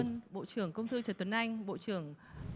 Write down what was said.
cảm ơn bộ trưởng công thư trần tuấn anh bộ trưởng